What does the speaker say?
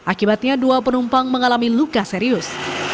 akibatnya dua penumpang mengalami luka serius